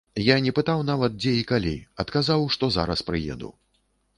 Я не пытаў нават, дзе і калі, адказаў, што зараз прыеду.